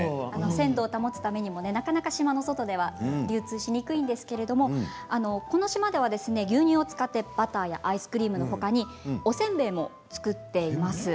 鮮度を保つためにもなかなか島の外では流通しにくいんですけどこの島では牛乳を使ってバターやアイスクリームの他におせんべいも作っています。